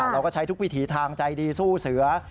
เราก็ใช้ทุกวิถีทางใจดีสู้เสือ